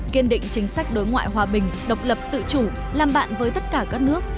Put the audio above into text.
kiên định chính sách đối ngoại hòa bình độc lập tự chủ làm bạn với tất cả các nước